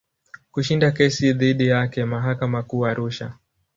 Kushinda kesi dhidi yake mahakama Kuu Arusha.